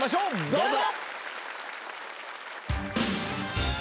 どうぞ！